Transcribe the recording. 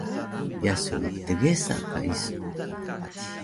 Ye su mptgesa ka isu?